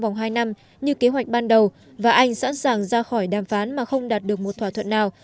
vòng hai năm như kế hoạch ban đầu và anh sẵn sàng ra khỏi đàm phán mà không đạt được một thỏa thuận nào